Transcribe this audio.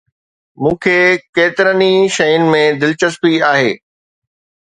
مون کي ڪيترن ئي شين ۾ دلچسپي آهي